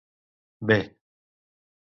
B